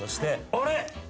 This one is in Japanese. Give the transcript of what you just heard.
あれ？